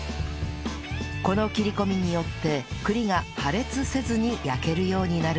この切り込みによって栗が破裂せずに焼けるようになるんです